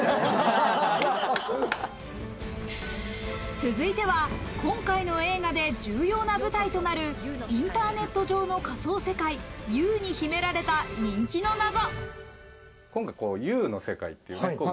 続いては今回の映画で重要な舞台となるインターネット上の仮想空間Ｕに秘められた人気のナゾ。